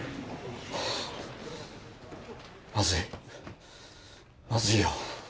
まずいまずいよ。